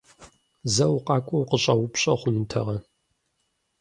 Зэ укъакӀуэу укъыщӀэупщӀэ хъунутэкъэ?